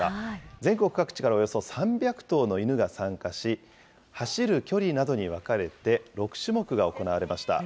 全国各地からおよそ３００頭の犬が参加し、走る距離などに分かれて６種目が行われました。